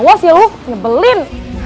awas ya lu nyebelin